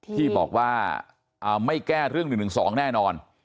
ที่บอกว่าไม่แก้เรื่อง๑๑๒แน่นอน